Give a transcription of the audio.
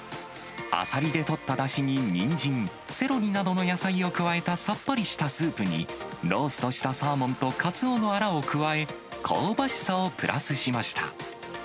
アサリで取っただしにニンジン、セロリなどの野菜を加えたさっぱりしたスープに、ローストしたサーモンとカツオのあらを加え、香ばしさをプラスしました。